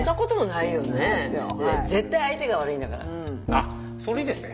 あっそれいいですね。